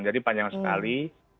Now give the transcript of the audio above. jadi panjang sekali